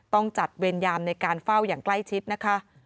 ต้องจัดเวรยามในการเฝ้าอย่างใกล้ชิดนะคะ